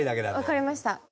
わかりました。